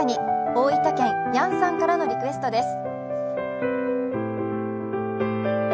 大分県、やんさんからのリクエストです。